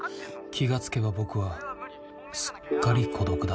気が付けば僕はすっかり孤独だ。